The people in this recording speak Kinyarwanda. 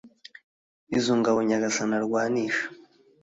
izo ngabo nyagasani arwanisha